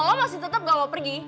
kalo lo masih tetep gak mau pergi